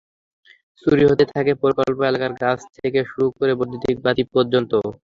চুরি হতে থাকে প্রকল্প এলাকার গাছ থেকে শুরু করে বৈদ্যুতিক বাতি পর্যন্ত।